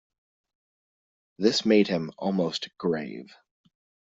This made him almost grave.